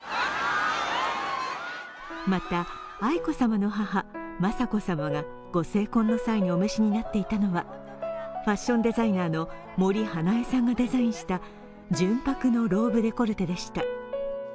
また、愛子さまの母、雅子さまがご成婚の際にお召しになっていたのはファッションデザイナーの森英恵さんがデザインした純白のローブデコルテでした。